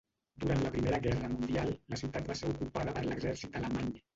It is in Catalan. Durant la Primera Guerra Mundial la ciutat va ser ocupada per l'exèrcit alemany.